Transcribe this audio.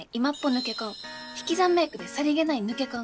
抜け感引き算メイクでさりげない抜け感」。